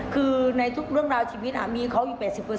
คือในทุกเรื่องราวชีวิตมีเขาอยู่๘๐